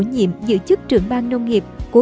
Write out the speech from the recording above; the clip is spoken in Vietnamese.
nhiệm giữ chức trưởng bang nông nghiệp của